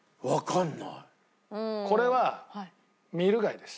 これはミル貝です。